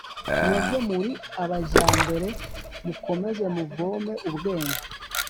Mwebwe muri abajyambere, mukomeze muvome ubwenge